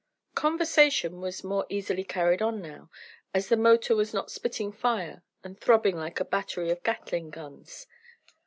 Conversation was more easily carried on now, as the motor was not spitting fire and throbbing like a battery of Gatling guns.